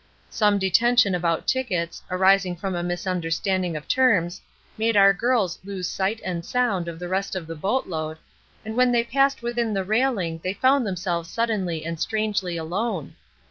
Some detention about tickets, arising from a misunderstanding of terms, made our girls lose sight and sound of the rest of the boat load, and when they passed within the railing they found themselves suddenly and strangely alone.